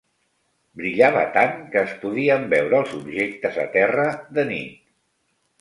Brillava tant que es podien veure els objectes a terra de nit.